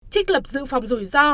trích lập dự phòng rủi ro